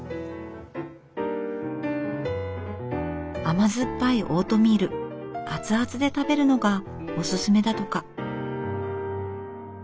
甘酸っぱいオートミール熱々で食べるのがおすすめだとか。